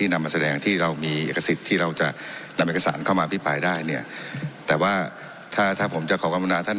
นำเอกสารเข้ามาพิภัยได้เนี่ยแต่ว่าถ้าถ้าผมจะขอขอบคุณณาท่าน